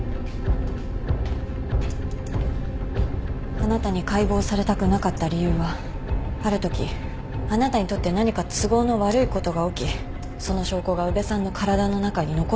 あなたに解剖されたくなかった理由はあるときあなたにとって何か都合の悪いことが起きその証拠が宇部さんの体の中に残ってしまった。